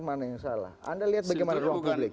mana yang salah anda lihat bagaimana ruang publik